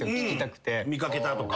見かけたとか。